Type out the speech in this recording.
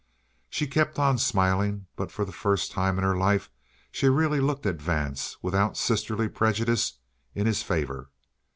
She kept on smiling, but for the first time in her life she really looked at Vance without sisterly prejudice in his favor.